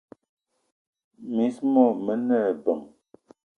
Miss mo mene ebeng.